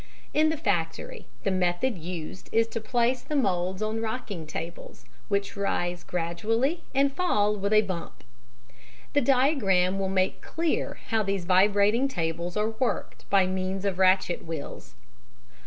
In the factory the method used is to place the moulds on rocking tables which rise gradually and fall with a bump. The diagram will make clear how these vibrating tables are worked by means of ratchet wheels.